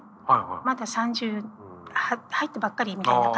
まだ３０入ったばっかりみたいな感じだから。